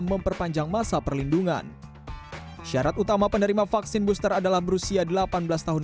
memperpanjang masa perlindungan syarat utama penerima vaksin booster adalah berusia delapan belas tahun